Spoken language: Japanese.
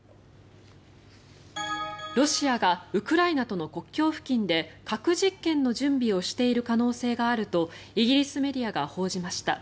ロシアがウクライナとの国境付近で核実験の準備をしている可能性があるとイギリスメディアが報じました。